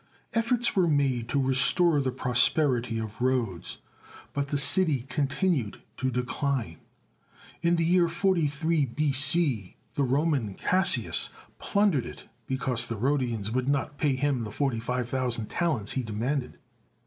Efforts were made to restore the prosperity of Rhodes, but the city continued to decline. In the year 43 B.C., the Roman Cassius plundered it be cause the Rhodians would not pay him the forty five thousand talents he demanded.